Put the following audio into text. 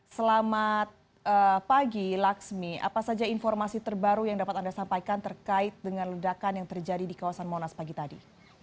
selamat pagi laksmi apa saja informasi terbaru yang dapat anda sampaikan terkait dengan ledakan yang terjadi di kawasan monas pagi tadi